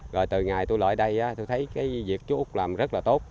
rồi từ ngày tôi lại đây tôi thấy cái việc chú úc làm rất là tốt